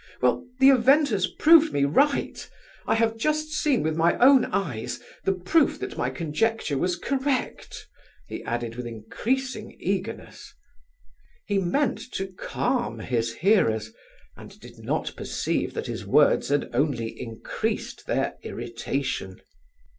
Well, the event has proved me right! I have just seen with my own eyes the proof that my conjecture was correct!" he added, with increasing eagerness. He meant to calm his hearers, and did not perceive that his words had only increased their irritation.